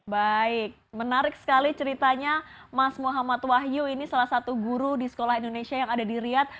baik menarik sekali ceritanya mas muhammad wahyu ini salah satu guru di sekolah indonesia yang ada di riyad